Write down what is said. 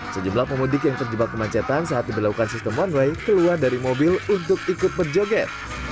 sejumlah pemudik yang terjebak kemacetan saat diberlakukan sistem one way keluar dari mobil untuk ikut berjoget